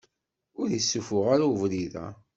Ur issufuɣ ara ubrid-a.